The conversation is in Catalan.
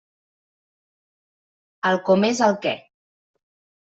El com és el què.